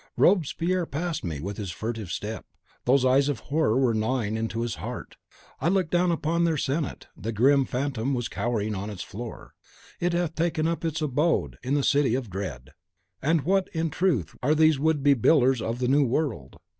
Robespierre passed me with his furtive step. Those eyes of horror were gnawing into his heart. I looked down upon their senate; the grim Phantom sat cowering on its floor. It hath taken up its abode in the city of Dread. And what in truth are these would be builders of a new world?